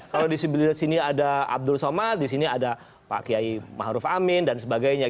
kalau di sebelah sini ada abdul somad di sini ada pak kiai ⁇ maruf ⁇ amin dan sebagainya